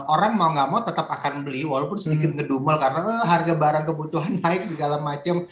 orang mau gak mau tetap akan beli walaupun sedikit ngedumel karena harga barang kebutuhan naik segala macem